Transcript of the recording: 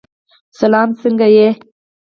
سلام! څنګه یې؟